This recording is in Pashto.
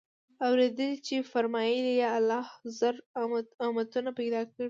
اورېدلي چي فرمايل ئې: الله زر امتونه پيدا كړي